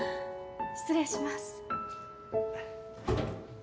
失礼します。